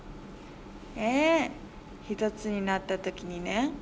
『ええ、ひとつになったときにね。